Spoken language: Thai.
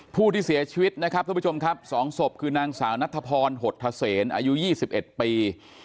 ผู้ที่เสียชีวิตนะครับท่านผู้ชมครับ๒ศพคือนางสาวนัทพรหดทะเซนอายุ๒๑ปี